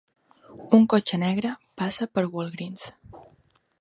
Un cotxe negre passa per Walgreens